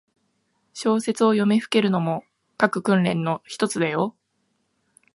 小説を読みふけるのも、書く訓練のひとつだよ。